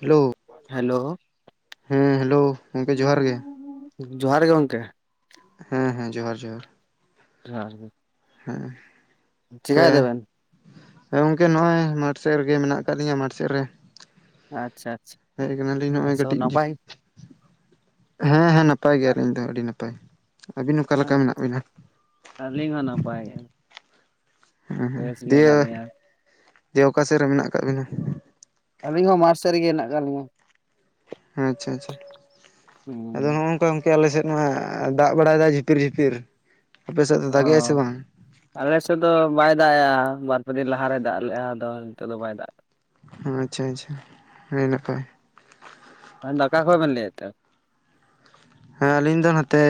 Hello hello ᱦᱮᱸ hello ᱜᱚᱢᱠᱮ ᱡᱚᱦᱟᱨ ᱜᱮ᱾ ᱡᱚᱦᱟᱨ ᱜᱮ ᱜᱚᱝᱠᱮ᱾ ᱦᱮᱸ ᱦᱮᱸ ᱡᱚᱦᱟᱨ ᱡᱚᱦᱟᱨ᱾ ᱡᱚᱦᱟᱨ ᱜᱮ ᱦᱮᱸ ᱪᱮᱠᱟᱭ ᱠᱚᱭᱮ ᱫᱟᱵᱮᱱ ᱦᱮᱸ ᱜᱚᱝᱠᱮ ᱱᱚᱜᱼᱚᱭ ᱢᱟᱴᱷ ᱥᱮᱫ ᱨᱮᱜᱮ ᱢᱮᱱᱟᱜ ᱟᱠᱟᱫ ᱞᱤᱧᱟᱹ ᱢᱟᱴᱷ ᱥᱮᱫ ᱨᱮ᱾ ᱟᱪᱪᱷᱟ ᱟᱪᱪᱷᱟ ᱦᱮᱡ ᱟᱠᱟᱱᱟᱞᱤᱧ ᱱᱚᱜ ᱚᱭ ᱟᱪᱪᱷᱟ ᱠᱟᱹᱴᱤᱡ, ᱱᱟᱯᱟᱭ ᱦᱮᱸ ᱦᱮᱸ ᱱᱟᱯᱟᱭ ᱜᱮᱭᱟᱞᱤᱧ ᱫᱚ ᱟᱹᱰᱤ ᱱᱟᱯᱟᱭ᱾ [inaudible] ᱟᱹᱵᱤᱱ ᱚᱠᱟ ᱞᱮᱠᱟ ᱢᱮᱱᱟᱜ ᱵᱤᱱᱟ᱾ ᱟᱹᱞᱤᱧ ᱦᱚᱸ ᱱᱟᱯᱟᱭ ᱜᱮ᱾ ᱦᱮᱸ ᱦᱮᱸ ᱵᱮᱥ ᱜᱮ ᱫᱤᱭᱮ ᱦᱮᱱᱟᱜ ᱞᱤᱧᱟ ᱫᱤᱭᱮ ᱚᱠᱟ ᱥᱮᱫ ᱨᱮ ᱢᱮᱱᱟᱜ ᱟᱠᱟᱜ ᱵᱤᱱᱟ᱾ ᱟᱹᱞᱤᱧ ᱦᱚᱸ ᱢᱟᱴᱷ ᱥᱮᱫ ᱨᱮᱜᱮ ᱦᱮᱱᱟᱜ ᱟᱠᱟᱫ ᱞᱤᱧᱟᱹ᱾ ᱟᱪᱪᱷᱟ ᱟᱪᱪᱷᱟ [unintelligible] ᱟᱫᱚ ᱱᱚᱜᱼ ᱱᱚᱝᱠᱟ ᱜᱚᱝᱠᱮ ᱟᱞᱮᱥᱮᱫ ᱢᱟ ᱫᱟᱜ ᱵᱟᱲᱟᱭᱮᱫᱟᱭ ᱡᱷᱤᱯᱤᱨ ᱡᱷᱤᱯᱤᱨ, ᱟᱯᱮ ᱥᱮᱫ ᱫᱚ ᱫᱟᱜᱮᱭᱟᱭ ᱥᱮ ᱵᱟᱝ᱾ ᱟᱞᱮᱥᱮᱫ ᱫᱚ ᱵᱟᱭ ᱫᱟᱜ ᱮᱼᱟ ᱵᱟᱨᱯᱮ ᱫᱤᱱ ᱞᱟᱦᱟᱨᱮ ᱫᱟᱜ ᱞᱮᱫᱼᱟ ᱟᱫᱚ ᱱᱤᱛᱚᱜ ᱫᱚ ᱵᱟᱭ ᱫᱟᱜ᱾ ᱟᱪᱪᱷᱟ ᱟᱪᱪᱷᱟ ᱟᱹᱰᱤ ᱱᱟᱯᱟᱭ᱾ ᱰᱟᱠᱟ ᱠᱷᱚᱱ ᱵᱮᱱ ᱞᱟᱹᱭᱮᱫ ᱛᱮ᱾ ᱦᱮᱸ ᱟᱹᱞᱤᱧ ᱫᱚ ᱱᱚᱛᱮ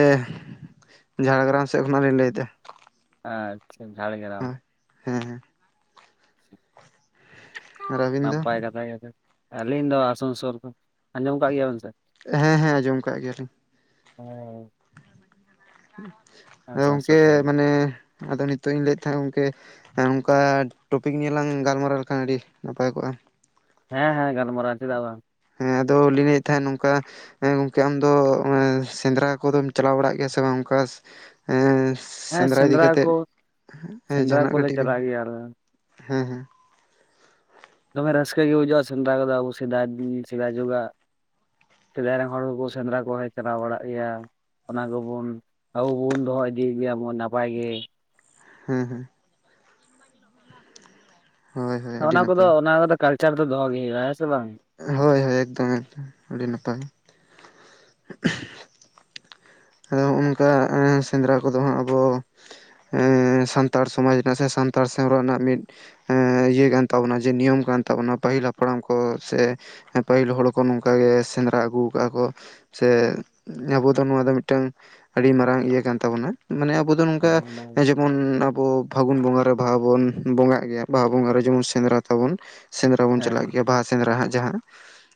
ᱡᱷᱟᱲᱜᱨᱟᱢ ᱥᱮᱫ ᱠᱷᱚᱱᱟᱜ ᱞᱤᱧ ᱞᱟᱹᱭᱮᱫᱟ᱾ ᱟ ᱟᱪᱪᱷᱟ ᱡᱷᱟᱲᱜᱨᱟᱢ᱾ ᱦᱮᱸ ᱦᱮᱸ᱾ ᱟᱨ ᱟᱹᱵᱤᱱ ᱫᱚ ᱱᱟᱯᱟᱭ ᱠᱟᱛᱷᱟ ᱟᱹᱞᱤᱧ ᱫᱚ ᱟᱥᱟᱱᱥᱳᱞ ᱠᱚ ᱟᱸᱡᱚᱢ ᱟᱠᱟᱫ ᱜᱮᱭᱟᱵᱮᱱ ᱥᱮ᱾ ᱦᱮᱸ ᱦᱮᱸ ᱟᱸᱡᱚᱢ ᱠᱟᱜ ᱜᱮᱭᱟᱞᱤᱧ ᱦᱳᱭ ᱟᱫᱚ ᱟᱥᱟᱱᱥᱳᱞ ᱜᱚᱝᱠᱮ ᱠᱷᱚᱱ ᱢᱟᱱᱮ ᱟᱫᱚ ᱱᱤᱛᱳᱜ ᱤᱧ ᱞᱟᱹᱭᱮᱫ ᱛᱟᱦᱮᱸᱫ ᱜᱚᱝᱠᱮ᱾ ᱱᱚᱝᱠᱟ ᱴᱚᱯᱤᱠ ᱱᱤᱭᱮ ᱞᱟᱝ ᱜᱟᱞᱢᱟᱨᱟᱣ ᱞᱮᱠᱷᱟᱱ ᱟᱹᱰᱤ ᱱᱟᱯᱟᱭ ᱠᱚᱜᱼᱟ᱾ ᱦᱮᱸ ᱦᱮᱸ ᱜᱟᱞᱢᱟᱨᱟᱣ ᱪᱮᱫᱟᱜ ᱵᱟᱝ᱾ ᱦᱮᱸ ᱟᱫᱚ ᱞᱤᱧ ᱞᱟᱹᱭᱮᱫ ᱛᱟᱸᱦᱮᱫ ᱱᱚᱝᱠᱟ᱾ ᱦᱮᱸ ᱜᱚᱢᱠᱮ ᱟᱢᱫᱚ ᱥᱮᱸᱫᱽᱨᱟ ᱠᱚᱫᱚᱢ ᱪᱟᱞᱟᱣ ᱵᱟᱲᱟᱜ ᱜᱮᱭᱟ ᱥᱮ ᱵᱟᱝ ᱚᱱᱠᱟ ᱮ᱾ ᱦᱮᱸ ᱥᱮᱸᱫᱽᱨᱟ ᱤᱫᱤ ᱠᱟᱛᱮᱫ ᱠᱚ ᱥᱮᱸᱫᱽᱨᱟ ᱡᱟᱦᱟᱱᱟᱜ ᱠᱚᱞᱮ ᱠᱟᱹᱴᱤᱡ ᱵᱤᱱ ᱪᱟᱞᱟᱜ ᱜᱮᱭᱟ ᱟᱞᱮ ᱦᱮᱸ ᱦᱮᱸ᱾ ᱫᱚᱢᱮ ᱨᱟᱹᱥᱠᱟᱹ ᱜᱮ ᱵᱩᱡᱷᱟᱹᱜᱼᱟ ᱥᱮᱸᱫᱽᱨᱟ ᱠᱚᱫᱚ ᱟᱵᱚ ᱥᱮᱫᱟᱭ ᱥᱮᱫᱟᱭ ᱡᱩᱜᱽ ᱟᱜ᱾ ᱥᱮᱫᱟᱭ ᱨᱮᱱ ᱦᱚᱲ ᱦᱚᱸᱠᱚ ᱥᱮᱸᱫᱽᱨᱟ ᱠᱚᱣᱟ ᱪᱟᱞᱟᱣ ᱵᱟᱲᱟᱜ ᱜᱮᱭᱟ᱾ ᱚᱱᱟ ᱠᱚᱵᱚᱱ ᱟᱵᱚ ᱵᱚᱱ ᱫᱚᱦᱚ ᱤᱫᱤᱭᱮᱫ ᱜᱮᱭᱟ ᱵᱚᱱ ᱱᱟᱯᱟᱭ ᱜᱮ᱾ ᱦᱮᱸ ᱦᱮᱸ ᱦᱳᱭ ᱦᱳᱭ ᱟᱹᱰᱤ ᱚᱱᱟ ᱠᱚᱫᱚ ᱱᱟᱯᱟᱭ ᱚᱱᱟ ᱠᱚᱫᱚ ᱠᱟᱞᱪᱟᱨ ᱫᱚ ᱫᱚᱦᱚ ᱜᱮ ᱦᱩᱭᱩᱜᱼᱟ ᱦᱮᱸ ᱥᱮ ᱵᱟᱝ᱾ ᱦᱳᱭ ᱦᱳᱭ ᱮᱠᱫᱚᱢ ᱮᱠᱫᱚᱢ ᱟᱹᱰᱤ ᱱᱟᱯᱟᱭ᱾ [unintelligible] ᱟᱫᱚ ᱦᱚᱸᱜᱼᱟ ᱱᱚᱝᱠᱟ ᱥᱮᱸᱫᱽᱨᱟ ᱠᱚᱫᱚ ᱦᱟᱸᱜ ᱟᱵᱚ᱾ ᱮ ᱥᱟᱱᱛᱟᱲ ᱥᱚᱢᱟᱡᱽ ᱨᱮᱱᱟᱜ ᱥᱮ ᱥᱟᱱᱛᱟᱲ ᱥᱮᱨᱣᱟ ᱨᱮᱱᱟᱜ ᱢᱤᱫ᱾ ᱦᱮᱸ ᱤᱭᱟᱹ ᱠᱟᱱ ᱛᱟᱵᱚᱱᱟ, ᱡᱮ ᱱᱤᱭᱚᱢ ᱠᱟᱱ ᱛᱟᱵᱚᱱᱟ ᱯᱟᱹᱦᱤᱞ ᱦᱟᱯᱲᱟᱢ ᱠᱚ ᱥᱮ ᱯᱟᱹᱦᱤᱞ ᱦᱚᱲ ᱠᱚ ᱱᱚᱝᱠᱟ ᱜᱮ ᱥᱮᱸᱫᱽᱨᱟ ᱟᱹᱜᱩ ᱠᱟᱜᱼᱟ ᱠᱚ ᱥᱮ ᱟᱵᱚ ᱫᱚ ᱱᱚᱣᱟ ᱫᱚ ᱢᱤᱫ ᱴᱟᱝ ᱟᱹᱰᱤ ᱢᱟᱨᱟᱝ ᱤᱭᱟᱹ ᱠᱟᱱ ᱛᱟᱵᱚᱱᱟ, ᱢᱟᱱᱮ ᱟᱵᱚ ᱫᱚ ᱱᱚᱝᱠᱟ ᱦᱮᱸ ᱡᱮᱢᱚᱱ ᱟᱵᱚ ᱯᱷᱟᱹᱜᱩᱱ ᱵᱚᱸᱜᱟ ᱨᱮ ᱵᱟᱦᱟ ᱵᱚᱱ ᱵᱚᱸᱜᱟᱜ ᱜᱮᱭᱟ, ᱵᱟᱦᱟ ᱵᱚᱸᱜᱟ ᱨᱮ ᱡᱮᱢᱚᱱ ᱥᱮᱸᱫᱽᱨᱟ ᱛᱟᱵᱚᱱ ᱥᱮᱸᱫᱽᱨᱟ ᱵᱚᱱ ᱪᱟᱞᱟᱜ ᱜᱮᱭᱟ, ᱵᱟᱦᱟ ᱥᱮᱸᱫᱽᱨᱟ ᱦᱟᱸᱜ ᱡᱟᱦᱟᱸ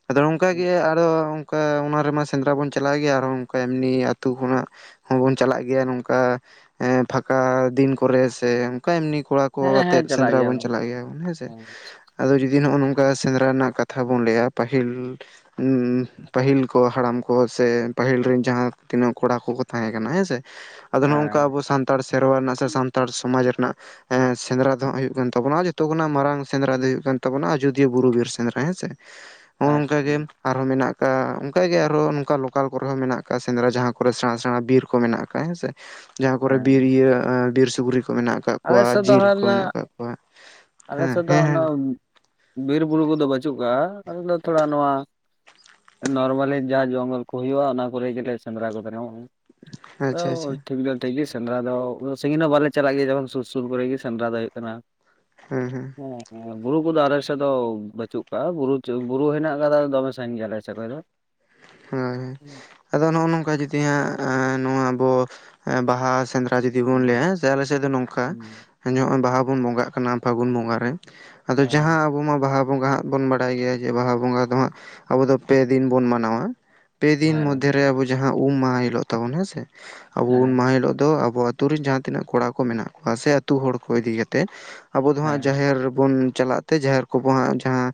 ᱟᱫᱚ ᱚᱱᱠᱟ ᱜᱮ ᱟᱨᱚ ᱚᱱᱠᱟ ᱚᱱᱟ ᱨᱮᱢᱟ ᱥᱮᱸᱫᱽᱨᱟ ᱵᱚᱱ ᱪᱟᱞᱟᱣ ᱜᱮᱭᱟ, ᱟᱨ ᱦᱚᱸ ᱚᱱᱠᱟ ᱮᱢᱱᱤ ᱟᱹᱛᱩ ᱠᱷᱚᱱᱟᱜ ᱦᱚᱸ ᱵᱚᱱ ᱪᱟᱞᱟᱜ ᱜᱮᱭᱟ, ᱱᱚᱝᱠᱟ ᱯᱷᱟᱠᱟ ᱫᱤᱱ ᱠᱚᱨᱮ ᱥᱮ ᱚᱱᱠᱟ ᱮᱢᱱᱤ ᱠᱚᱲᱟ ᱠᱚ ᱦᱮᱸ ᱦᱮᱸ ᱟᱛᱮᱜ ᱪᱟᱞᱟᱜ ᱥᱮᱸᱫᱽᱨᱟ ᱵᱚᱱ ᱜᱮᱭᱟᱵᱚᱱ ᱪᱟᱞᱟᱜ ᱜᱮᱭᱟ ᱵᱚᱱ ᱦᱮᱸ ᱥᱮ ᱾ ᱟᱫᱚ ᱡᱩᱫᱤ ᱱᱚᱜ ᱱᱚᱝᱠᱟ ᱥᱮᱸᱫᱽᱨᱟ ᱨᱮᱱᱟᱜ ᱠᱟᱛᱷᱟ ᱵᱚᱱ ᱞᱟᱹᱭᱟ ᱯᱟᱹᱦᱤᱞ ᱯᱟᱹᱦᱤᱞ ᱠᱚ ᱦᱟᱲᱟᱢ ᱠᱚ ᱥᱮ ᱯᱟᱹᱦᱤᱞ ᱨᱮᱱ ᱡᱟᱦᱟᱸ ᱛᱤᱱᱟᱹᱜ ᱠᱚᱲᱟ ᱠᱚᱠᱚ ᱛᱟᱦᱮᱸ ᱠᱟᱱᱟ ᱦᱮᱸ ᱥᱮ, ᱟᱫᱚ ᱱᱚᱜ ᱱᱚᱝᱠᱟ ᱟᱵᱚ ᱥᱟᱱ ᱛᱟᱲ ᱥᱮᱨᱣᱟ ᱨᱮᱱᱟᱜ ᱥᱮ ᱥᱟᱱᱛᱟᱲ ᱥᱚᱢᱟᱡᱽ ᱨᱮᱱᱟᱜ ᱸ ᱥᱮᱸᱫᱽᱨᱟ ᱫᱚ ᱦ ᱦᱩᱭᱩᱜ ᱠᱟᱱ ᱛᱟᱵᱚᱱᱟ ᱡᱚᱛᱚ ᱠᱷᱚᱱᱟᱜ ᱢᱟᱨᱟᱝ ᱥᱮᱸᱫᱽᱨᱟ ᱫᱚ ᱦᱩᱭᱩᱜ ᱠᱟᱱ ᱛᱟᱵᱚᱱᱟ ᱟᱡᱚᱫᱤᱭᱟᱹ ᱵᱩᱨᱩ ᱵᱤᱨ ᱥᱮᱸᱫᱽᱨᱟ ᱦᱮᱸ ᱥᱮ ᱾ ᱦᱚᱸᱜᱼᱚ ᱟᱪᱪᱷᱟ ᱱᱚᱝᱠᱟ ᱜᱮ, ᱟᱨ ᱦᱚᱸ ᱢᱮᱱᱟᱜ ᱠᱟᱜ ᱚᱱᱠᱟ ᱜᱮ ᱟᱨ ᱦᱚᱸ ᱱᱚᱝᱠᱟ ᱞᱳᱠᱟᱞ ᱠᱚᱨᱮ ᱦᱚᱸ ᱢᱮᱱᱟᱜ ᱠᱟᱜ ᱥᱮ ᱥᱮᱸᱫᱽᱨᱟ ᱡᱟᱦᱟᱸ ᱠᱚᱨᱮ ᱥᱮᱬᱟ ᱥᱮᱬᱟ ᱵᱤᱨ ᱠᱚ ᱢᱮᱱᱟᱜ ᱟᱠᱟᱜ ᱦᱮᱸ ᱥᱮ ᱾ ᱡᱟᱦᱟᱸ ᱠᱚᱨᱮ ᱦᱮᱸ ᱵᱤᱨ ᱤᱭᱟᱹ ᱵᱤᱨ ᱥᱩᱠᱨᱤ ᱠᱚ ᱢᱮᱱᱟᱜ ᱟᱠᱟᱫ ᱟᱞᱮ ᱠᱚᱣᱟ ᱥᱮᱫ ᱫᱚ ᱡᱤᱞ ᱠᱚ ᱦᱟᱱᱟ ᱢᱮᱱᱟᱜ ᱠᱟᱜ ᱠᱚᱣᱟ, ᱟᱞᱮ ᱦᱮᱸ ᱥᱮᱫ ᱫᱚ ᱦᱮᱸ ᱚᱱᱟ ᱦᱮᱸ ᱵᱤᱨ ᱵᱩᱨᱩ ᱠᱚᱫᱚ ᱵᱟᱹᱪᱩᱜ ᱠᱟᱜᱼᱟ, ᱟᱞᱮ ᱛᱷᱚᱲᱟ ᱱᱚᱣᱟ ᱱᱚᱨᱢᱟᱞᱤ ᱡᱟ ᱡᱚᱝᱜᱚᱞ ᱠᱚ ᱦᱩᱭᱩᱜᱼᱟ, ᱚᱱᱟ ᱠᱚᱨᱮ ᱜᱮᱞᱮ ᱥᱮᱸᱫᱽᱨᱟ ᱠᱚ ᱟᱪᱪᱷᱟ ᱟᱪᱪᱷᱟ [inaudible] ᱴᱷᱤᱠ ᱜᱮᱭᱟ ᱴᱷᱤᱠ ᱜᱮ ᱥᱮᱸᱫᱽᱨᱟ ᱫᱚ, ᱥᱟᱺᱜᱤᱧ ᱦᱚᱸ ᱵᱟᱞᱮ ᱪᱟᱞᱟᱜ ᱜᱮᱭᱟ ᱡᱮᱢᱚᱱ ᱥᱩᱨ ᱥᱩᱨ ᱠᱚᱨᱮᱜ ᱜᱮ ᱥᱮᱸᱫᱽᱨᱟ ᱫᱚ ᱦᱩᱭᱩᱜ ᱠᱟᱱᱟ ᱾ ᱦᱮᱸ ᱦᱩᱸ ᱾ [unintelligible] ᱵᱩᱨᱩ ᱠᱚᱫᱚ ᱟᱞᱮ ᱥᱮᱫ ᱫᱚ ᱵᱟᱹᱪᱩᱜ ᱠᱟᱜᱼᱟ, ᱵᱩᱨᱩ ᱵᱩᱨᱩ ᱦᱮᱱᱟᱜ ᱟᱠᱟᱫᱟ ᱫᱚᱢᱮ ᱥᱟᱺᱜᱤᱧ ᱜᱮᱭᱟ ᱞᱮ ᱟᱞᱮ ᱥᱮᱫ ᱠᱷᱚᱱ ᱫᱚ [inaudible] ᱦᱳᱭ ᱦᱩᱸ ᱾ ᱟᱫᱚ ᱱᱚᱜᱼᱚ ᱱᱚᱝᱠᱟ ᱡᱩᱫᱤ ᱦᱟᱸᱜ ᱱᱚᱣᱟ ᱟᱵᱚ ᱵᱟᱦᱟ ᱥᱮᱸᱫᱽᱨᱟ ᱟ ᱡᱩᱫᱤ ᱵᱚᱱ ᱦᱩᱸ ᱞᱟᱹᱭᱟ ᱦᱮᱸ ᱥᱮ ᱟᱞᱮ ᱥᱮᱫ ᱫᱚ ᱱᱚᱝᱠᱟ ᱦᱩᱸ ᱱᱚᱜ ᱵᱟᱦᱟ ᱵᱚᱱ ᱵᱚᱸᱜᱟᱜ ᱠᱟᱱᱟ, ᱯᱷᱟᱹᱜᱩᱱ ᱵᱚᱸᱜᱟ ᱨᱮ ᱟᱫᱚ ᱡᱟᱦᱟᱸ ᱦᱮᱸ ᱟᱵᱚ ᱢᱟ ᱵᱟᱦᱟ ᱵᱚᱸᱜᱟ ᱦᱟᱸᱜ ᱵᱚᱱ ᱵᱟᱲᱟᱭ ᱜᱮᱭᱟ, ᱡᱮ ᱵᱟᱦᱟ ᱵᱚᱸᱜᱟ ᱫᱚ ᱦᱟᱸᱜ ᱟᱵᱚ ᱫᱚ ᱯᱮ ᱫᱤᱱ ᱵᱚᱱ ᱢᱟᱱᱟᱣᱟ ᱯᱮ ᱫᱤᱱ ᱢᱚᱫᱽᱫᱷᱮ ᱨᱮ ᱟᱵᱚ ᱡᱟᱦᱟᱸ ᱩᱢ ᱢᱟᱦᱟ ᱦᱤᱞᱳᱜ ᱛᱟᱵᱩᱱ ᱦᱮᱸ ᱥᱮ, ᱟᱵᱚ ᱩᱢ ᱦᱮᱸ ᱦᱮᱸ ᱢᱟᱦᱟ ᱦᱤᱞᱳᱜ ᱫᱚ ᱟᱵᱚᱣᱟᱜ ᱟᱹᱛᱩ ᱨᱮᱱ ᱡᱟᱦᱟᱸ ᱛᱤᱱᱟᱹᱜ ᱠᱚᱲᱟ ᱠᱚ ᱢᱮᱱᱟᱜ ᱠᱚᱣᱟ, ᱥᱮ ᱟᱹᱛᱩ ᱦᱚᱲ ᱠᱚ ᱤᱫᱤ ᱠᱟᱛᱮ ᱟᱵᱚ ᱫᱚ ᱦᱟᱸᱜ ᱡᱟᱦᱮᱨ ᱵᱚᱱ ᱪᱟᱞᱟᱜ ᱛᱮ ᱡᱟᱦᱮᱨ ᱠᱚᱵᱚ ᱦᱟᱸᱜ ᱡᱟᱦᱟᱸ